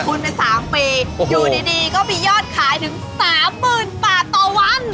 อยู่ดีก็มียอดขายถึง๓๐๐๐๐บาทต่อวัน